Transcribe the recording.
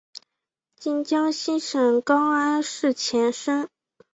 今江西省高安市前身。